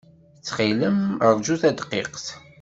Ttxil-m, ṛju tadqiqt.